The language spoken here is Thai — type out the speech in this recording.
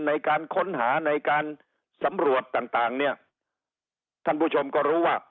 ในการค้นหาในการสำรวจต่างต่างเนี่ยท่านผู้ชมก็รู้ว่า